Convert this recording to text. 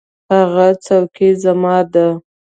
هغه څوکۍ زما ده.